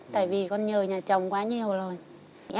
tại vì con nhờ nhà chồng quá nhiều rồi